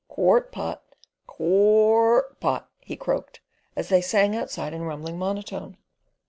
"Quart pot! Qua rt pot!" he croaked, as they sang outside in rumbling monotone.